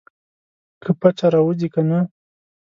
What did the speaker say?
که پچه راوځي کنه.